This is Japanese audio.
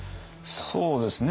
そうですね